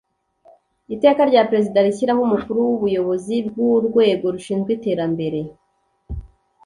iteka rya perezida rishyiraho umukuru w ubuyobozi bw urwego rushinzwe iterambere